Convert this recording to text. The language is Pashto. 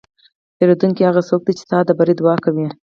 پیرودونکی هغه څوک دی چې ستا د بری دعا کوي.